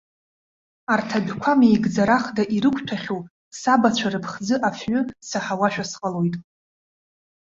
Арҭ адәқәа меигӡарахда ирықәҭәахьоу сабацәа рыԥхӡы афҩы саҳауашәа сҟалоит.